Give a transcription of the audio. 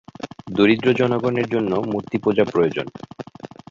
দরিদ্র জনগণের জন্য মূর্তিপূজা প্রয়োজন।